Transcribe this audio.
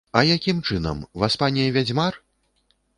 А якім чынам, васпане вядзьмар?